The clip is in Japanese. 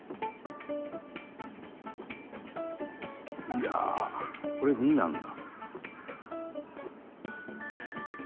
「いやあこれ“に”なんだ」